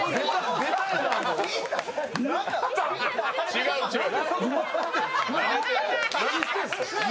違う、違う。